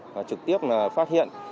và trực tiếp phát hiện